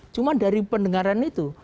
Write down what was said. cuma dari pendengaran itu